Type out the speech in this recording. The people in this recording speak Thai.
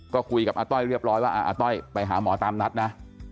ก็คุยกับอาต้อยเรียบร้อยว่าอาต้อยไปหาหมอตามนัดนะ